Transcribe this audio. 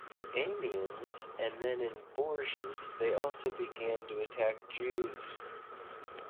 In Amiens, and then in Bourges, they also began to attack Jews.